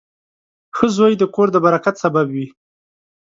• ښه زوی د کور د برکت سبب وي.